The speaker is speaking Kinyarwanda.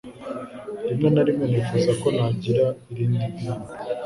Rimwe na rimwe nifuza ko nagira irindi dini.